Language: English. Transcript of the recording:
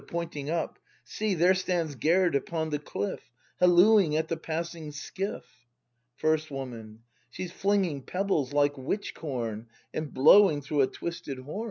[Pointing up.] See, there stands Gerd upon the cliff. Hallooing at the passing skiff! First Woman. She's flinging pebbles like witch corn, And blowing through a twisted horn.